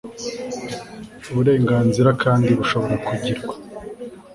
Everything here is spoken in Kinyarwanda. burenganzira kandi bushobora kugirwa